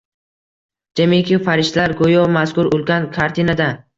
Jamiki farishtalar go‘yo mazkur ulkan kartinada.